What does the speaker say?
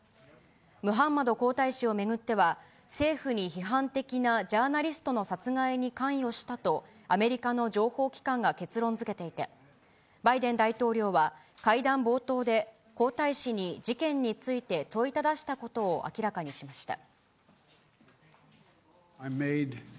ムハンマド皇太子を巡っては、政府に批判的なジャーナリストの殺害に関与したとアメリカの情報機関が結論づけていて、バイデン大統領は、会談冒頭で皇太子に事件について問いただしたことを明らかにしました。